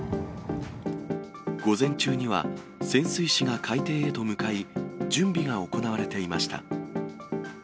午前中には潜水士が海底へと向かい、準備が行われていました。